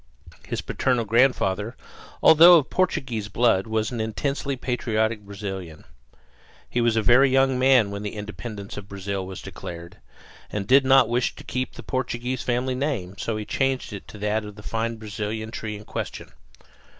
His parental grandfather, although of Portuguese blood, was an intensely patriotic Brazilian. He was a very young man when the independence of Brazil was declared, and did not wish to keep the Portuguese family name; so he changed it to that of the fine Brazilian tree in question.